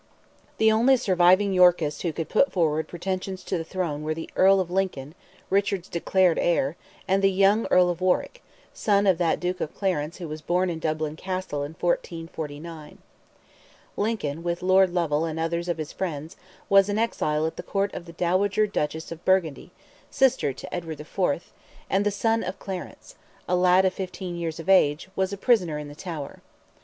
The only surviving Yorkists who could put forward pretensions to the throne were the Earl of Lincoln, Richard's declared heir, and the young Earl of Warwick, son of that Duke of Clarence who was born in Dublin Castle in 1449. Lincoln, with Lord Lovell and others of his friends, was in exile at the court of the dowager Duchess of Burgundy, sister to Edward IV.; and the son of Clarence—a lad of fifteen years of age—was a prisoner in the Tower.